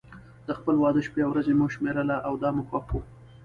د خپل واده شپې او ورځې مو شمېرله او دا مو خوښ و.